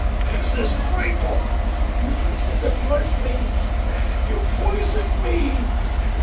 this is frightful! You pretend to pardon me, and you poison me!"